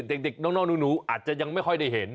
เด็กน้องหนูอาจจะยังไม่ค่อยได้เห็น